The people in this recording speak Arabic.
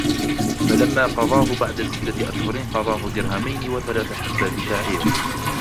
فلما قضاه بعد ستة أشهر قضاه درهمين وثلاث حبات شعير